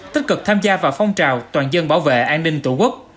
tích cực tham gia vào phong trào toàn dân bảo vệ an ninh tổ quốc